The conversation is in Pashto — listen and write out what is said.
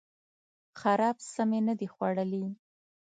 خراب څه می نه دي خوړلي